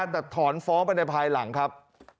แต่ถอนฟ้องไปในภายหลังครับ